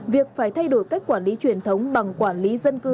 việc phải thay đổi cách quản lý truyền thống bằng quản lý dân cư